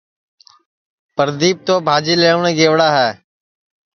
پردیپ تو بھاجی لئوٹؔے گئیوڑا ہے